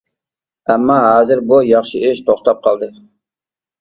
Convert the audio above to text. ئەمما ھازىر بۇ ياخشى ئىش توختاپ قالدى.